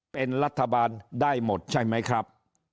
เป็นรัฐบาลได้หมดใช่ไหมครับ